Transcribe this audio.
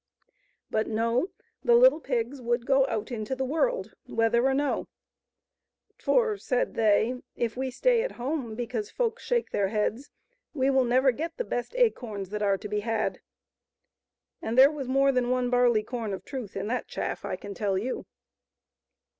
But no; the little pigs would go out into the world, whether or no; for," said they, " if we stay at home because folks shake their heads, we will never get the best acorns that are to be had ;" and there was more than one barleycorn of truth in that chaff, I can tell you.